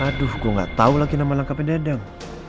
aduh gue gak tau lagi nama lengkapnya dedeng